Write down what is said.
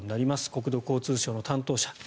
国土交通省の担当者。